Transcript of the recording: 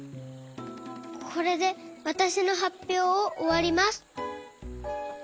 これでわたしのはっぴょうをおわります。